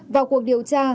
vào cuộc điều tra